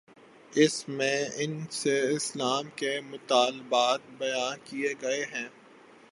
اس میں ان سے اسلام کے مطالبات بیان کیے گئے ہیں۔